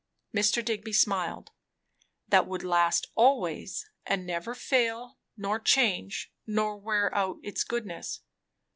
Mr. Digby smiled. "That would last always, and never fail, nor change, nor wear out its goodness."